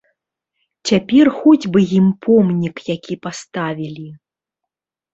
Цяпер хоць бы ім помнік які паставілі.